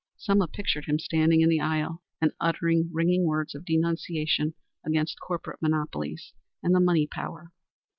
Selma pictured him standing in the aisle and uttering ringing words of denunciation against corporate monopolies and the money power.